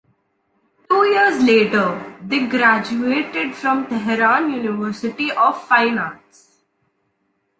Two years later, they graduated from Tehran University of Fine Arts.